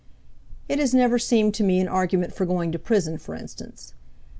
It has never seemed to me an argument for going to prison, for instance.